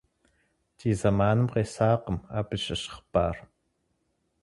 Ди зэманым къэсакъым абы щыщ хъыбар.